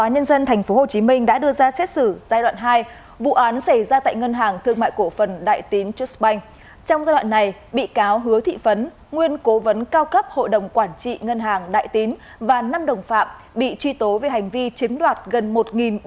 hãy đăng ký kênh để ủng hộ kênh của chúng mình nhé